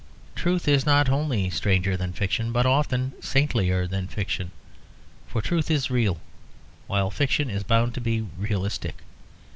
Truth is not only stranger than fiction, but often saintlier than fiction. For truth is real, while fiction is bound to be realistic.